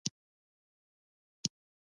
آزاد تجارت مهم دی ځکه چې اړیکې پیاوړې کوي.